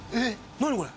何これ？